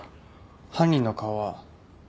犯人の顔は？